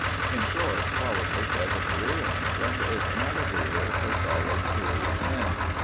In short, politics as a career in England is not a career for solid, serious men.